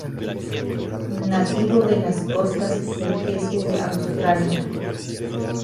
Nativo de las costas del este de Australia.